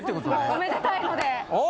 おめでたいので。